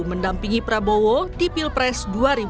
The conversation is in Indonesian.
mendampingi prabowo di pilpres dua ribu dua puluh